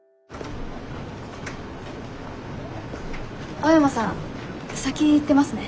青山さん先行ってますね。